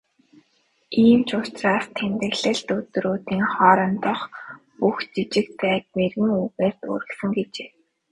"Ийм ч учраас тэмдэглэлт өдрүүдийн хоорондох бүх жижиг зайг мэргэн үгээр дүүргэсэн" гэжээ.